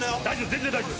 全然大丈夫。